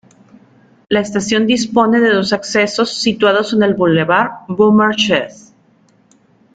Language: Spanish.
La estación dispone de dos accesos situados en el bulevar Beaumarchais.